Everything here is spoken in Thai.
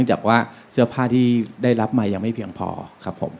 จากว่าเสื้อผ้าที่ได้รับมายังไม่เพียงพอครับผม